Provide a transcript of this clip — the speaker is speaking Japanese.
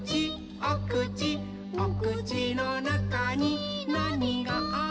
おくちおくちのなかになにがある？」